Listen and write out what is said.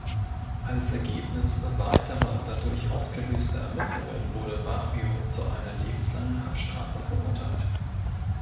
Als Ergebnis weiterer dadurch ausgelöster Ermittlungen wurde Vario zu einer lebenslangen Haftstrafe verurteilt.